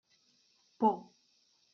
Por.